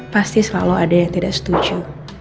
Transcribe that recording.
pasti selalu ada yang tidak setuju